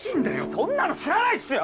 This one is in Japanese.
そんなの知らないっすよ！